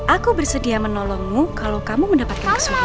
aku bersedia menolongmu kalau kamu mendapatkan kesempatan